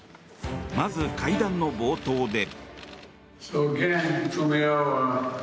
まず会談の冒頭で。